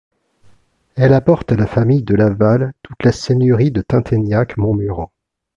Elle apporte à la famille de Laval toute la seigneurie de Tinténiac-Montmuran.